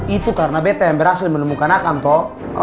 itu karena bete yang berhasil menemukan akan toh